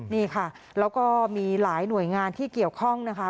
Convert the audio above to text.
นี่ค่ะแล้วก็มีหลายหน่วยงานที่เกี่ยวข้องนะคะ